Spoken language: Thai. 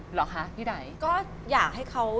เหรอคะพี่ไดก็อยากให้เขา